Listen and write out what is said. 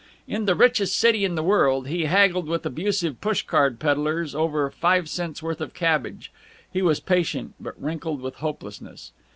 In the richest city in the world he haggled with abusive push cart peddlers over five cents' worth of cabbage. He was patient, but wrinkled with hopelessness.